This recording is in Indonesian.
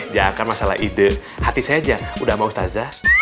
jangan masalah ide hati saya aja udah sama ustadz